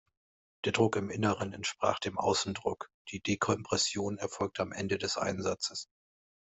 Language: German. Der Druck im Inneren entsprach dem Außendruck; die Dekompression erfolgte am Ende des Einsatzes.